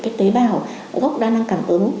cái tế bào gốc đa năng cảm ứng